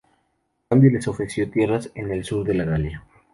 A cambio les ofreció tierras en el sur de la Galia.